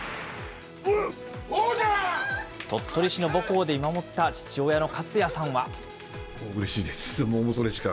鳥取市の母校で見守った父親の勝也さんは。